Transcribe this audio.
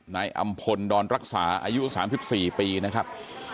นายอำพลดอนรักษาอายุ๓๔ปีนะครับ